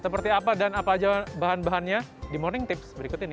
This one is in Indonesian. seperti apa dan apa aja bahan bahannya di morning tips berikut ini